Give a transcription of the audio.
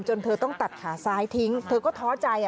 เธอต้องตัดขาซ้ายทิ้งเธอก็ท้อใจ